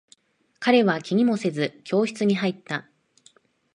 彼は気にもせず、教室に入った。